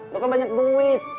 bukan banyak duit